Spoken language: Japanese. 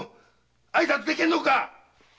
挨拶できんのか‼